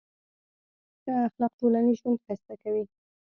ښه اخلاق ټولنیز ژوند ښایسته کوي.